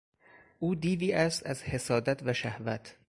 او دیوی است از حسادت و شهوت